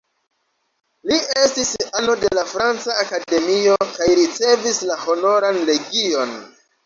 Li estis ano de la Franca Akademio kaj ricevis la Honoran Legion.